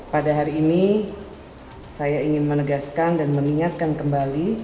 pada hari ini saya ingin menegaskan dan mengingatkan kembali